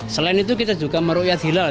selain itu kita juga meruyat hilal